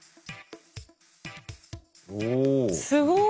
すごい。